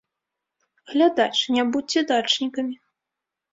Глядач, не будзьце дачнікамі!